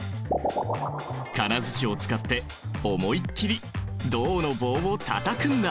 金づちを使って思いっきり銅の棒をたたくんだ！